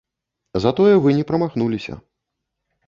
Затое вы не прамахнуліся.